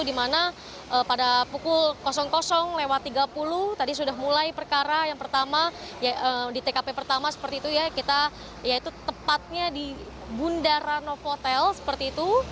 di mana pada pukul tiga puluh tadi sudah mulai perkara yang pertama di tkp pertama seperti itu ya kita yaitu tepatnya di bundaran novotel seperti itu